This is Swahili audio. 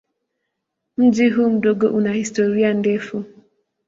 Mji huu mdogo una historia ndefu.